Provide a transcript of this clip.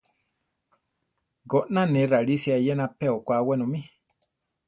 Goná ne rarisia eyena pe okwá wenomí.